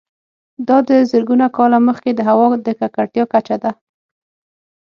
دا د زرګونه کاله مخکې د هوا د ککړتیا کچه ده